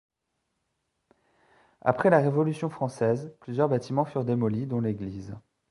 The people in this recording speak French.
Après la Révolution Française, plusieurs bâtiments furent démolis, dont l'église.